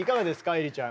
愛理ちゃん。